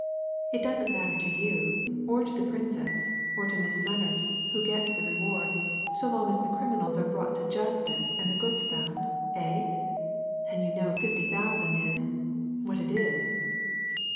It doesn't matter to you, or to the Princess, or to Miss Lennard, who gets the reward so long as the criminals are brought to justice and the goods found eh? And you know fifty thousand is what it is."